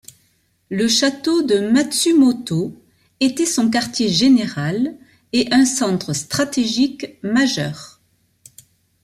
Le château de Matsumoto était son quartier général et un centre stratégique majeur.